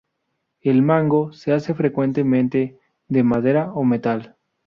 El mango se hace frecuentemente de madera o metal.